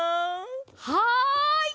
はい！